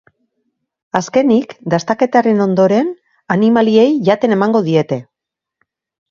Azkenik, dastaketaren ondoren, animaliei jaten emango diete.